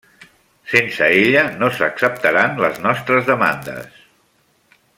Sense ella, no s'acceptaran les nostres demandes.